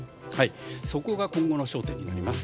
そこが今後の焦点となります。